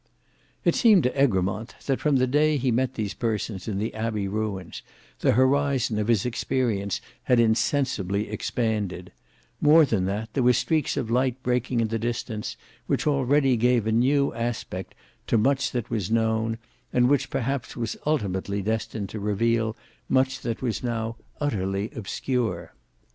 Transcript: It seemed to Egremont that, from the day he met these persons in the Abbey ruins, the horizon of his experience had insensibly expanded; more than that, there were streaks of light breaking in the distance, which already gave a new aspect to much that was known, and which perhaps was ultimately destined to reveal much that was now utterly obscure.